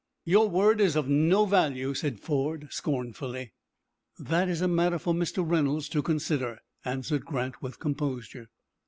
"Your word is of no value," said Ford, scornfully. "That is a matter for Mr. Reynolds to consider," answered Grant, with composure.